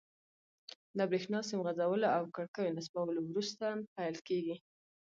له بریښنا سیم غځولو او کړکیو نصبولو وروسته پیل کیږي.